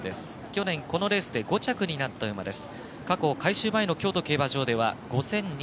去年、このレースで５着になった馬です。